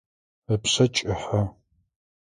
Ыпшъэ кӏыхьэ.